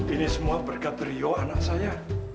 ini semua berkat rio anak saya